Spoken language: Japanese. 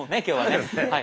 今日はね。